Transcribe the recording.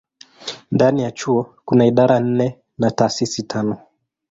Ndani ya chuo kuna idara nne na taasisi tano.